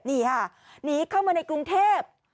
นี่ค่ะหนีเข้ามาในกรุงเทพ